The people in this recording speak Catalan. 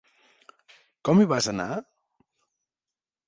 Com hi vas anar?